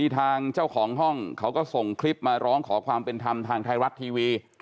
ทางเจ้าของห้องเขาก็ส่งคลิปมาร้องขอความเป็นธรรมทางไทยรัฐทีวี